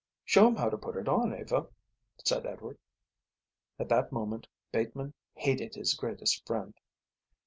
"Show him how to put it on, Eva," said Edward. At that moment Bateman hated his greatest friend.